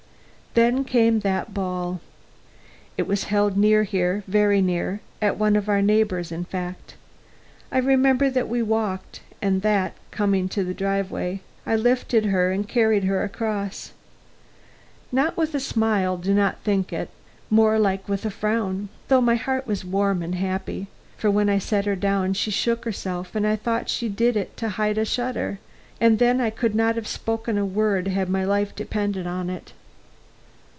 Then came that ball. It was held near here, very near; at one of our neighbor's, in fact. I remember that we walked, and that, coming to the driveway, I lifted her and carried her across. Not with a smile do not think it. More likely with a frown, though my heart was warm and happy; for when I set her down, she shook herself, and I thought she did it to hide a shudder, and then I could not have spoken a word had my life depended on it.